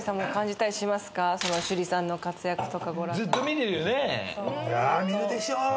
見るでしょう。